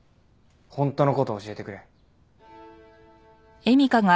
本当の事を教えてくれ。